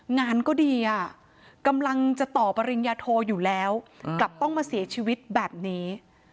งานก็ดีอ่ะกำลังจะต่อปริญญาโทอยู่แล้วกลับต้องมาเสียชีวิตแบบนี้